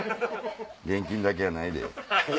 現金だけやないで。